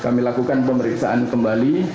kami lakukan pemeriksaan kembali